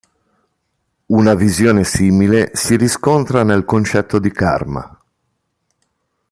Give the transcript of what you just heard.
Una visione simile si riscontra nel concetto di karma.